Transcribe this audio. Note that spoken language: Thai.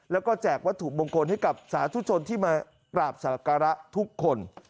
แล้วก็แจกวัตถุมงคลให้กับสาธุชนที่มากราบศักระทุกคน